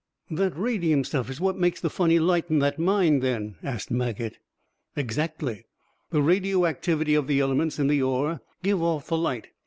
"That radium stuff is what makes the funny light in that mine, then?" asked Maget. "Exactly. The radio activity of the elements in the ore give off the light.